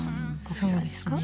そうですね。